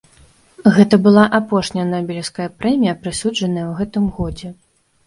Гэта была апошняя нобелеўская прэмія, прысуджаная ў гэтым годзе.